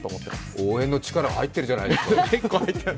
応援の力、入ってるじゃないですか。